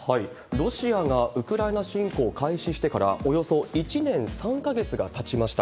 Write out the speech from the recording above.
ロシアがウクライナ侵攻を開始してから、およそ１年３か月がたちました。